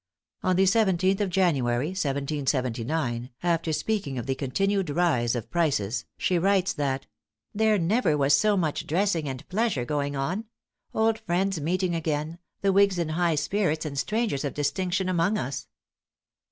On the 17th of January, 1779, after speaking of the continued rise of prices, she writes, that "there never was so much dressing and pleasure going on; old friends meeting again, the whigs in high spirits and strangers of distinction among us."